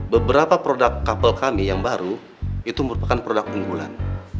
beberapa produk kabel kami yang baru itu merupakan produk unggulan